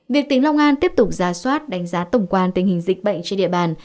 việc tỉnh long an tiếp tục ra soát đánh giá tổng quan tình hình dịch bệnh trên địa bàn